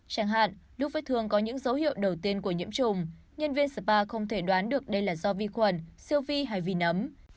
chẳng hạn lúc vết thương có những dấu hiệu đầu tiên của nhiễm chùm nhân viên spa không thể đoán được đây là do vi khuẩn siêu vi hay vì nấm